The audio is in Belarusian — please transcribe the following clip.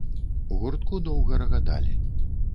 У гуртку доўга рагаталі.